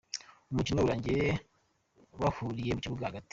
Umukino urangiye bahuriye mu kibuga hagati.